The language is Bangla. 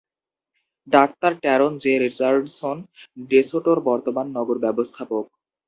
ডাক্তার ট্যারন জে. রিচার্ডসন ডেসোটোর বর্তমান নগর ব্যবস্থাপক।